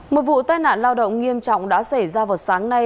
một vụ tai nạn lao động nghiêm trọng đã xảy ra vào sáng nay